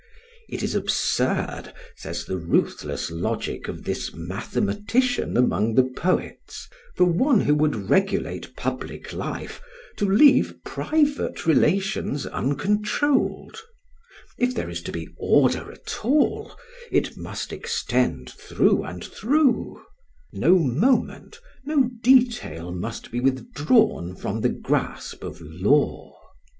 It is absurd, says the ruthless logic of this mathematician among the poets, for one who would regulate public life to leave private relations uncontrolled; if there is to be order at all, it must extend through and through; no moment, no detail must be withdrawn from the grasp of law.